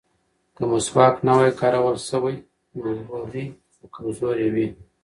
که مسواک نه وای کارول شوی نو وورۍ به کمزورې وې.